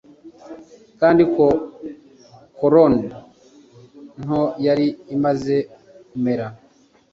kandi ko koloni nto yari imaze kumera